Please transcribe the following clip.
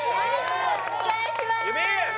お願いします